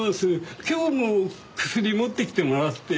今日も薬持ってきてもらって。